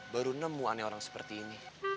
baru nemu aneh orang seperti ini